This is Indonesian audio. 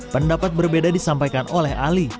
pendapat berbeda disampaikan oleh ali